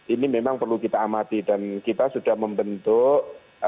ini memang perlu kita amati dan kita sudah membentuk